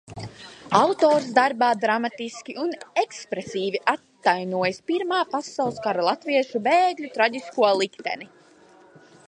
Autors darbā dramatiski un ekspresīvi atainojis Pirmā pasaules kara latviešu bēgļu traģisko likteni.